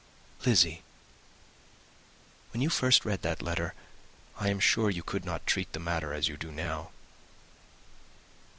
"Lizzy, when you first read that letter, I am sure you could not treat the matter as you do now."